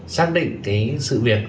xác định cái sự việc